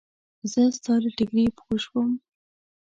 زه ستا له ټیکري پوی شوم.